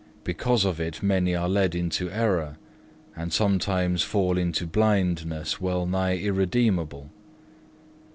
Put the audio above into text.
Because of it many are led into error, and sometimes fall into blindness well nigh irremediable.